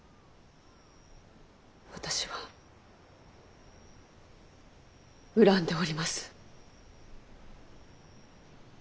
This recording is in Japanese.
私は恨んでおります。